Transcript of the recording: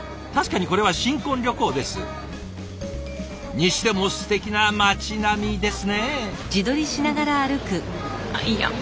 にしてもすてきな町並みですね。